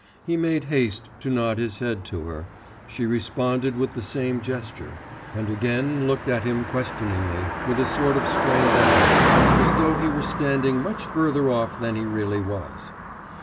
He made haste to nod his head to her, she responded with the same gesture, and again looked at him questioningly, with a sort of strained effort, as though he were standing much further off than he really was.